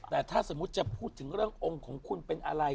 แต่ถ้าสมมุติจะพูดถึงเรื่ององค์ของคุณเป็นอะไร